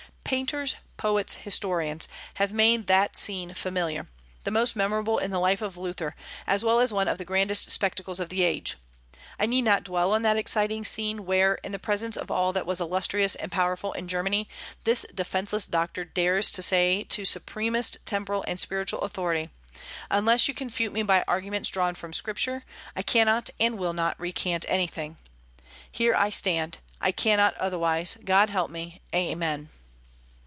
Painters, poets, historians, have made that scene familiar, the most memorable in the life of Luther, as well as one of the grandest spectacles of the age. I need not dwell on that exciting scene, where, in the presence of all that was illustrious and powerful in Germany, this defenceless doctor dares to say to supremest temporal and spiritual authority, "Unless you confute me by arguments drawn from Scripture, I cannot and will not recant anything ... Here I stand; I cannot otherwise: God help me! Amen."